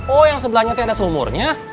oh yang sebelahnya ada selumurnya